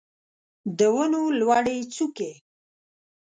د ونو لوړې څوکې